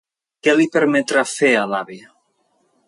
Què li permetrà fer a l'avi?